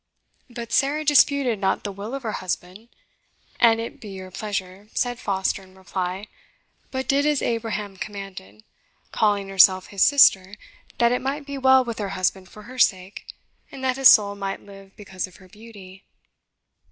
"But Sarah disputed not the will of her husband, an it be your pleasure," said Foster, in reply, "but did as Abraham commanded, calling herself his sister, that it might be well with her husband for her sake, and that his soul might live because of her beauty."